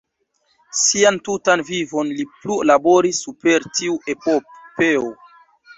Sian tutan vivon li plu laboris super tiu epopeo.